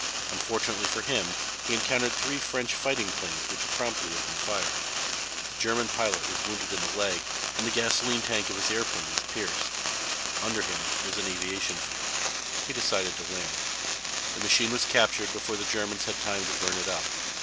Unfortunately for him he encountered three French fighting planes which promptly opened fire. The German pilot was wounded in the leg and the gasoline tank of his airplane was pierced. Under him was an aviation field. He decided to land. The machine was captured before the Germans had time to burn it up.